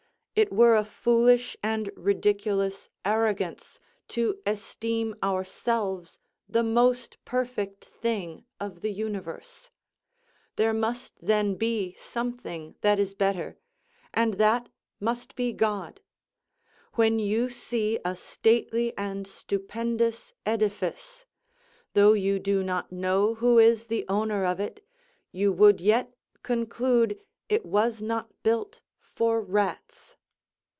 It were a foolish and ridiculous arrogance to esteem ourselves the most perfect thing of the universe. There must then be something that is better, and that must be God. When you see a stately and stupendous edifice, though you do not know who is the owner of it, you would yet conclude it was not built for rats.